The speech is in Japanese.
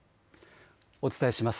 お伝えします。